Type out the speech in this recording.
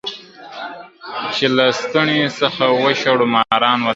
چي له لستوڼي څخه وشړو ماران وطنه !.